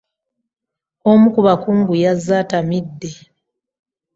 Omu ku bakungu yazze atamidde.